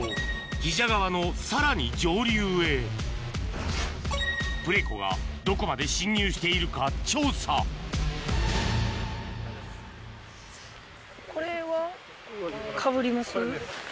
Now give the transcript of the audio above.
比謝川のさらに上流へプレコがどこまで侵入しているか調査これはかぶります？